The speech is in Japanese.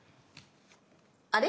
あれ？